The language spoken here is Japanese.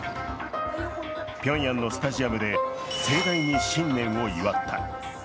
ピョンヤンのスタジアムで盛大に新年を祝った。